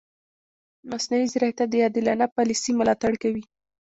مصنوعي ځیرکتیا د عادلانه پالیسي ملاتړ کوي.